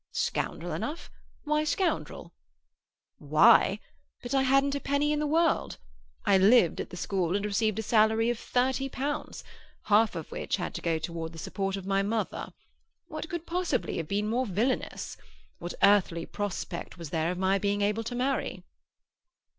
"Scoundrel enough? Why scoundrel?" "Why? But I hadn't a penny in the world. I lived at the school, and received a salary of thirty pounds, half of which had to go towards the support of my mother. What could possibly have been more villainous? What earthly prospect was there of my being able to marry?"